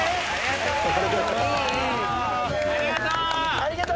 ありがとう！